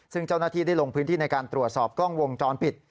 ซึ่งเจ้าหน้าที่ได้ลงพื้นที่ในการตรวจสอบกล้องวงจรปิด